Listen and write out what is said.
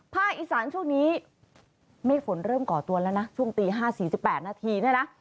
อีสานช่วงนี้เมฆฝนเริ่มก่อตัวแล้วนะช่วงตี๕๔๘นาทีเนี่ยนะ